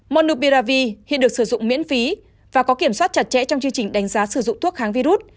monobiravi hiện được sử dụng miễn phí và có kiểm soát chặt chẽ trong chương trình đánh giá sử dụng thuốc kháng virus